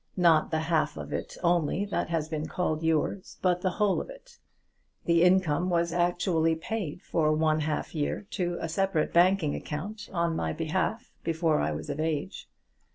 Not the half of it only that has been called yours, but the whole of it! The income was actually paid for one half year to a separate banking account on my behalf, before I was of age.